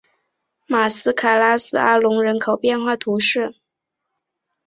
马斯卡拉斯阿龙人口变化图示